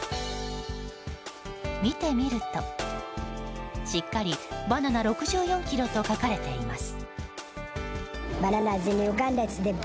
見てみると、しっかり「バナナ６４ｋｇ」と書かれています。